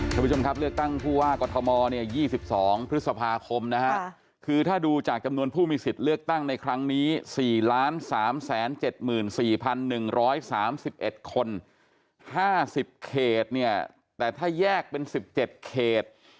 คุณผู้ชมครับเลือกตั้งผู้ว่ากอทมเนี่ย๒๒พฤษภาคมนะฮะคือถ้าดูจากจำนวนผู้มีสิทธิ์เลือกตั้งในครั้งนี้๔๓๗๔๑๓๑คน๕๐เขตเนี่ยแต่ถ้าแยกเป็น๑๗เขต